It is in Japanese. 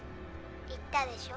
言ったでしょ？